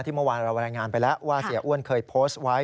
เมื่อวานเรารายงานไปแล้วว่าเสียอ้วนเคยโพสต์ไว้